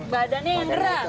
badan yang gerak